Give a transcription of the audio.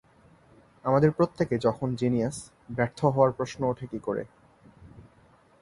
আমাদের প্রত্যেকে যখন জিনিয়াস, ব্যর্থ হওয়ার প্রশ্ন ওঠে কী করে?